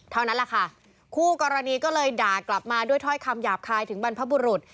เท่านั้นแหละค่ะคู่กรณีก็เลยด่ากลับมาด้วยถ้อยคำหยาบคายถึงบรรพบุรุษ